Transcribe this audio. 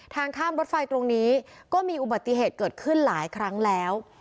ทางข้ามรถไฟตรงนี้ก็มีอุบัติเหตุเกิดขึ้นหลายครั้งแล้ว